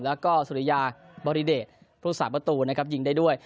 แล้วก็สุริยาบริเดชผู้สาประตูนะครับยิงได้ด้วย